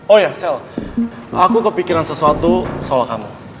ohiya sel aku kepikiran sesuatu soal kamu